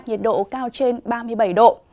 nhiệt độ cao trên ba mươi bảy độ